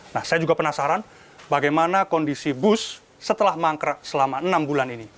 nah saya juga penasaran bagaimana kondisi bus setelah mangkrak selama enam bulan ini